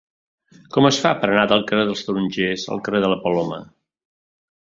Com es fa per anar del carrer dels Tarongers al carrer de la Paloma?